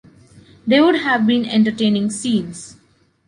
They would have been entertaining scenes.